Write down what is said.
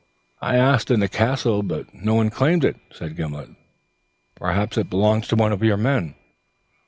"I asked in the castle, but no one claimed it," said Gimblet. "Perhaps it belongs to one of your men?"